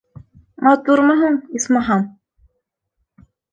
Матурмы һуң, исмаһам?